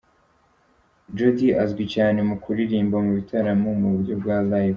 Jody azwi cyane mu kuririmba mu bitaramo mu buryo bwa Live.